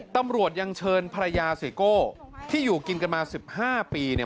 ตำรวจยังเชิญภรรยาเสียโก้ที่อยู่กินกันมา๑๕ปีเนี่ย